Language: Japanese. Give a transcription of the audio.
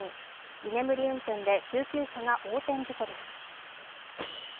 居眠り運転で救急車が横転事故です。